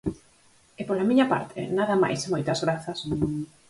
E, pola miña parte, nada máis e moitas grazas.